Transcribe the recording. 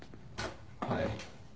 「はい」